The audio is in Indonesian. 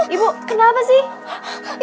ibu kenapa sih